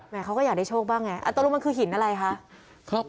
เขาก็อยากได้โชคบ้างไงตกลงมันคือหินอะไรคะ